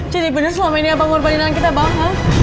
jadi bener selama ini apa yang ngorbanin anak kita bang